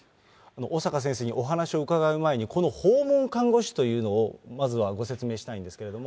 小坂先生にお話を伺う前に、この訪問看護師というのを、まずはご説明したいんですけれども。